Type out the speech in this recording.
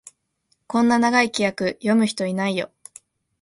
こんな長い規約、読む人いないよ